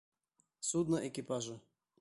Судно экипажы.